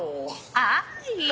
はい。